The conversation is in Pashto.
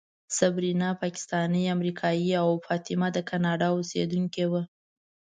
صبرینا پاکستانۍ امریکایۍ او فاطمه د کاناډا اوسېدونکې وه.